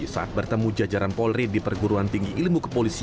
saat bertemu jajaran polri di perguruan tinggi ilmu kepolisian